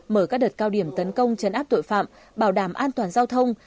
mở các đợt cao điểm tấn công chấn áp tội phạm bảo đảm an toàn giao thông